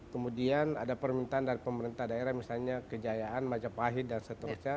kemudian ada permintaan dari pemerintah daerah misalnya kejayaan majapahit dan seterusnya